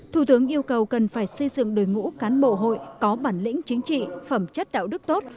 thủ tướng yêu cầu cần phải xây dựng đội ngũ cán bộ hội có bản lĩnh chính trị phẩm chất đạo đức tốt